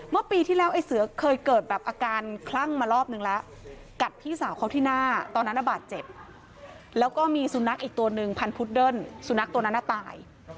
เมื่อปีที่แล้วไอ้เสือเคยเกิดแบบอาการคลั่งมารอบนึงแล้วกัดพี่สาวเขาที่หน้าตอนนั้นบาดเจ็บแล้วก็มีสุนัขอีกตัวนึงพันธุดเดิ้ลสุนัขตัวนั้นตาย